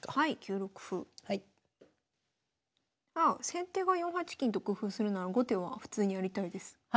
先手が４八金と工夫するなら後手は普通にやりたいです。